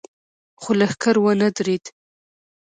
خو لښکر ونه درېد.